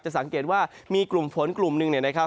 สังเกตว่ามีกลุ่มฝนกลุ่มหนึ่งเนี่ยนะครับ